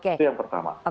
itu yang pertama